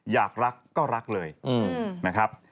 อยากรักก็รักเลยนะครับ